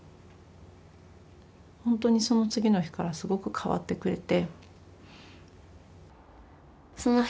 ほんとにその次の日からすごく変わってくれて。